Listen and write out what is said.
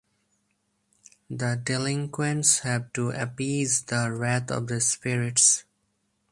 The delinquents have to appease the wrath of the spirits.